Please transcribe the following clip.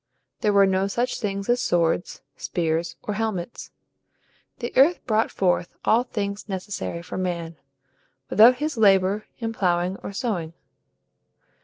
There were no such things as swords, spears, or helmets. The earth brought forth all things necessary for man, without his labor in ploughing or sowing.